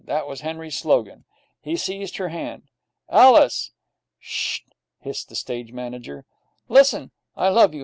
That was Henry's slogan. He seized her hand. 'Alice!' 'Sh h!' hissed the stage manager. 'Listen! I love you.